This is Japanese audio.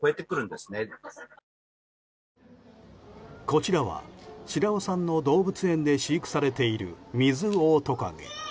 こちらは白輪さんの動物園で飼育されているミズオオトカゲ。